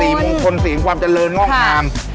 สีมงคลสีแห่งความเจริญง่องอาม